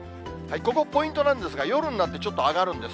ここポイントなんですが、夜になってちょっと上がるんです。